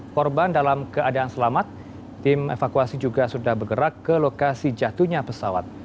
korban dalam keadaan selamat tim evakuasi juga sudah bergerak ke lokasi jatuhnya pesawat